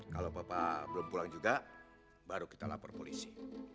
kalau papa belum pulang juga baru kita lapor polisi